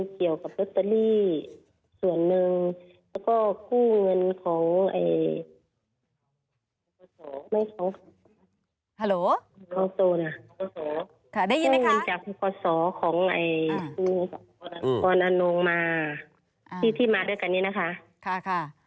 ที่มาด้วยกันนี่นะคะ